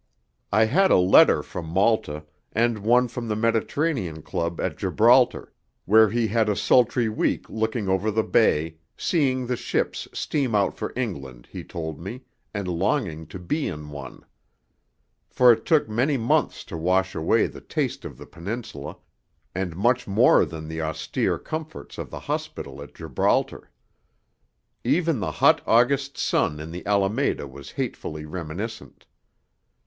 I had a letter from Malta, and one from the Mediterranean Club at Gibraltar, where he had a sultry week looking over the bay, seeing the ships steam out for England, he told me, and longing to be in one. For it took many months to wash away the taste of the Peninsula, and much more than the austere comforts of the hospital at Gibraltar. Even the hot August sun in the Alameda was hatefully reminiscent.